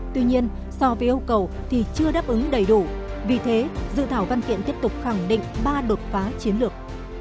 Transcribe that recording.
tuy nhiên so với yêu cầu thì chưa đáp ứng đầy đủ vì thế dự thảo văn kiện tiếp tục khẳng định ba đột phá chiến lược